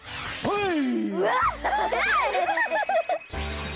うん！